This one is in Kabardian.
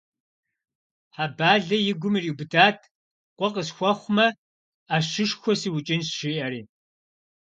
Хьэбалэ и гум ириубыдат, къуэ къысхуэхъумэ, ӏэщышхуэ сыукӏынщ жиӏэри.